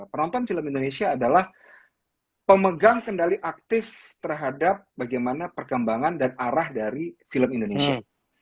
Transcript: penonton film indonesia adalah pemegang kendali aktif terhadap bagaimana perkembangan dan arah dari film indonesia